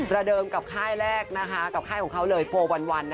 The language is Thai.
ระเดิมกับค่ายแรกนะคะ